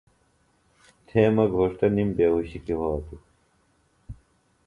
تھےۡ مہ گھوݜٹہ نِم بیہُوشیۡ کیۡ وھاتوۡ